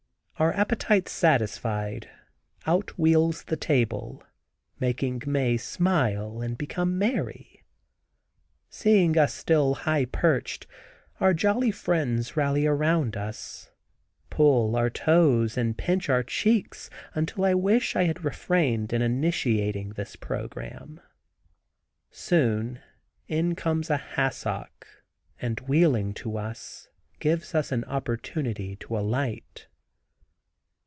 Our appetites satisfied, out wheels the table, making Mae smile and become merry. Seeing us still high perched, our jolly friends rally around us, pull our toes and pinch our cheeks, until I wish I had refrained in initiating this program. Soon in comes a hassock and wheeling to us, gives us an opportunity to alight.